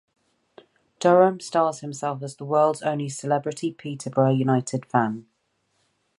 Durham styles himself as the world's only celebrity Peterborough United fan.